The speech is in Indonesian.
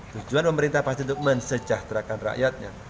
tujuan pemerintah pasti untuk mensejahterakan rakyatnya